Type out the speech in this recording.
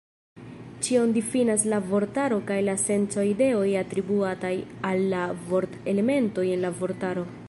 Ĉion difinas la vortaro kaj la senco-ideoj atribuataj al la vort-elementoj en la vortaro.